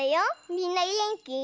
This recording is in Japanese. みんなげんき？